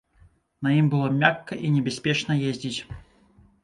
На ім было мякка і небяспечна ездзіць.